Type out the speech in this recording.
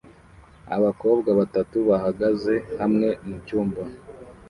Abakobwa batatu bahagaze hamwe mucyumba